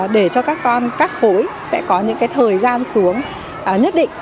để cho các con các khối sẽ có những thời gian xuống nhất định